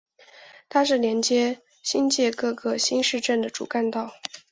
它是连接新界各个新市镇的主干道。